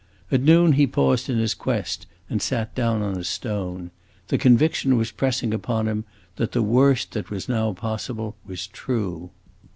At noon he paused in his quest and sat down on a stone; the conviction was pressing upon him that the worst that was now possible was true.